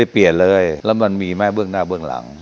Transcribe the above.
เปลี่ยนเลยแล้วมันมีไหมเบื้องหน้าเบื้องหลัง